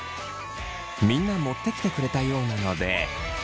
みんな持ってきてくれたようなので。